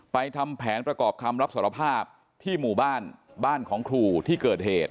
ทำแผนประกอบคำรับสารภาพที่หมู่บ้านบ้านของครูที่เกิดเหตุ